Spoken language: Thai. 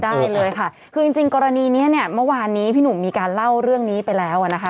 ได้เลยค่ะคือจริงจริงกรณีเนี้ยเมื่อวานนี้พี่หนุ่มมีการเล่าเรื่องนี้ไปแล้วอ่ะนะคะ